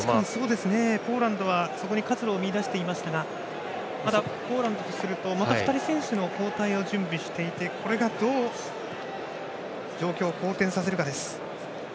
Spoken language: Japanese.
ポーランドはそこに活路を見いだしていましたがポーランドとすると２人の選手の交代を準備していてこれがどう状況を好転させるか。